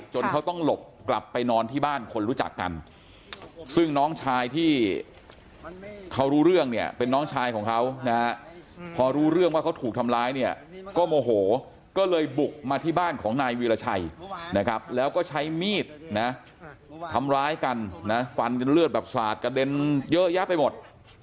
จนเขาต้องหลบกลับไปนอนที่บ้านคนรู้จักกันซึ่งน้องชายที่เขารู้เรื่องเนี่ยเป็นน้องชายของเขานะฮะพอรู้เรื่องว่าเขาถูกทำร้ายเนี่ยก็โมโหก็เลยบุกมาที่บ้านของนายวีรชัยนะครับแล้วก็ใช้มีดนะทำร้ายกันนะฟันจนเลือดแบบสาดกระเด็นเยอะแยะไปหมด